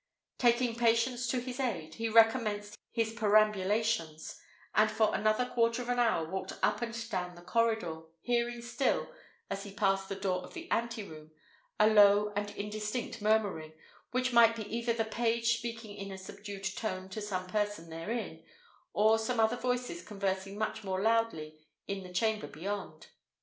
Taking patience to his aid, he recommenced his perambulations; and for another quarter of an hour walked up and down the corridor, hearing still, as he passed the door of the anteroom, a low and indistinct murmuring, which might be either the page speaking in a subdued tone to some person therein, or some other voices conversing much more loudly in the chamber beyond.